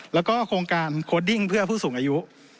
แล้วก็โครงการโค้ดดิ้งเพื่อผู้สูงอายุ